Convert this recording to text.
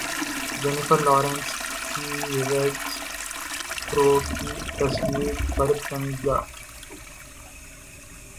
Jennifer Lawrence کی Red Sparrow کی تصویر پر تنازع